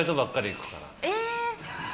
え。